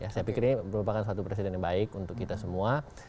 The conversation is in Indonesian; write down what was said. saya pikir ini merupakan satu presiden yang baik untuk kita semua